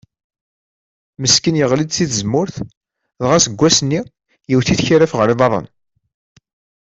Meskin yeɣli-d si tzemmurt, dɣa seg wass-nni yewwet-it karaf ɣer iḍaren.